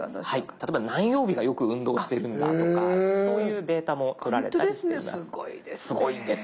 例えば何曜日がよく運動してるんだとかそういうデータもとられたりしています。